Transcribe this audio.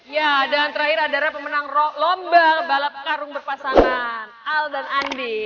ya dan terakhir adalah pemenang lomba balap karung berpasangan al dan andi